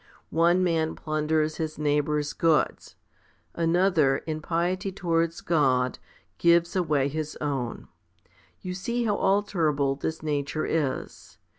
One man plunders his neighbour's goods ; another, in piety towards God, gives away his own. You see how alterable this nature is.